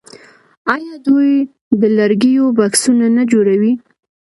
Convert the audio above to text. آیا دوی د لرګیو بکسونه نه جوړوي؟